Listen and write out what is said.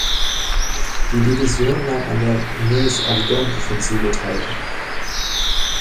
Die Division nahm an der Meuse-Argonne-Offensive teil.